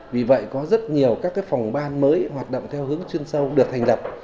vì vậy có rất nhiều các phòng ban mới hoạt động theo hướng chuyên sâu được thành lập